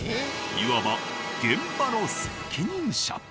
いわば現場の責任者。